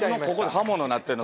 刃物になってんの？